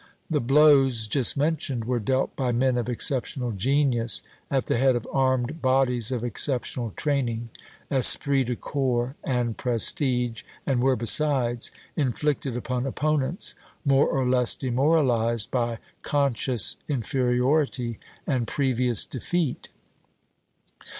The blows just mentioned were dealt by men of exceptional genius, at the head of armed bodies of exceptional training, esprit de corps, and prestige, and were, besides, inflicted upon opponents more or less demoralized by conscious inferiority and previous defeat.